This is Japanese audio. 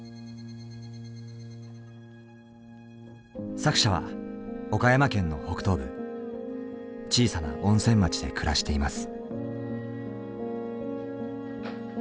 作者は岡山県の北東部小さな温泉町で暮らしています。